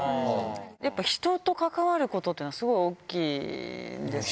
やっぱ人と関わることっていうのは、すごい大きいんですね。